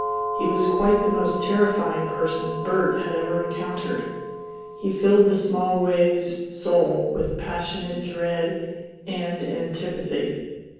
He was quite the most terrifying person Bert had ever encountered. He filled the Smallways soul with passionate dread and antipathy.